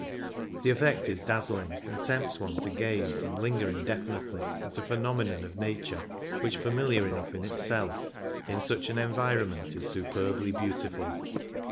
The effect is dazzling, and tempts one to gaze and linger indefinitely at a phenomenon of nature which, familiar enough in itself, in such an environment is superbly beautiful.